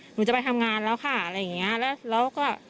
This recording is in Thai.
หนูจะไปทำงานแล้วค่ะอะไรอย่างเงี้ยแล้วแล้วก็